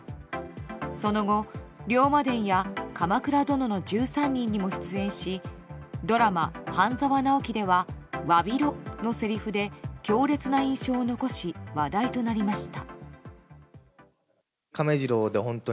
その後、「龍馬伝」や「鎌倉殿の１３人」にも出演しドラマ「半沢直樹」では「わびろ！」のせりふで強烈な印象を残し話題となりました。